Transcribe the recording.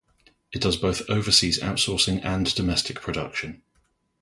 It does both overseas outsourcing and domestic production.